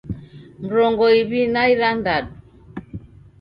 Mrongo iw'i na irandadu